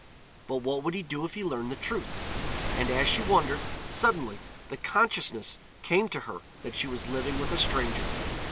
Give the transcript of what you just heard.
But what would he do if he learned the truth? And as she wondered, suddenly the consciousness came to her that she was living with a stranger.